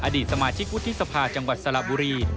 อดีตสมาชิกวุฒิสภาจังหวัดสระบุรี